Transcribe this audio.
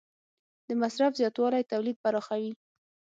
د مصرف زیاتوالی تولید پراخوي.